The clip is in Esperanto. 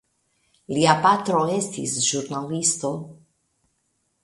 Lia patro estis ĵurnalisto.